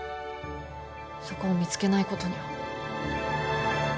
そこを見つけないことには。